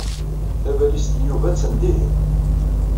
Tabalizt n Yuba attan dihin.